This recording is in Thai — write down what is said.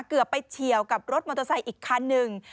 เกือบไปเฉียวกับรถมอเตอร์ไซค์อีกคันหนึ่ง